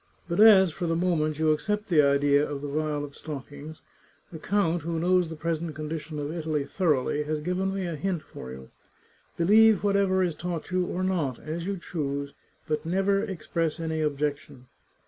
But as, for the moment, you accept the idea of the violet stockings, the count, who knows the present condition of Italy thoroughly, has given me a hint for you. Believe whatever is taught you or not, as you choose, but never express any objection.